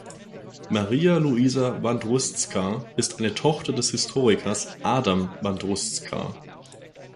Maria Luisa Wandruszka ist eine Tochter des Historikers Adam Wandruszka.